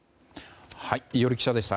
伊従記者でした。